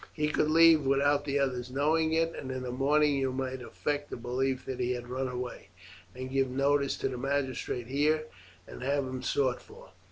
He could leave without the others knowing it, and in the morning you might affect a belief that he has run away, and give notice to the magistrate here and have him sought for.